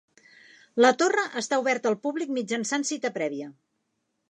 La torre està oberta al públic mitjançant cita prèvia.